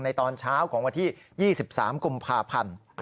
ตอนเช้าของวันที่๒๓กุมภาพันธ์